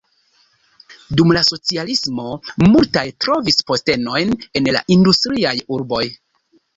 Dum la socialismo multaj trovis postenojn en la industriaj urboj.